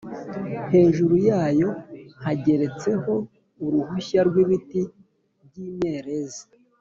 hejuru yayo hageretseho uruhushya rw’ibiti by’imyerezi